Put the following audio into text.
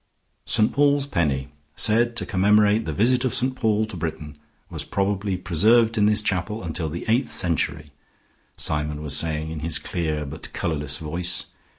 "St. Paul's Penny, said to commemorate the visit of St. Paul to Britain, was probably preserved in this chapel until the eighth century," Symon was saying in his clear but colorless voice.